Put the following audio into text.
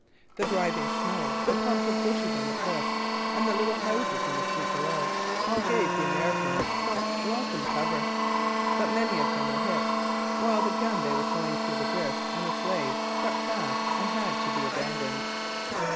The driving snow, the clumps of bushes on the cliff, and the little houses in the street below all gave the Americans some welcome cover. But many of them were hit; while the gun they were towing through the drifts on a sleigh stuck fast and had to be abandoned.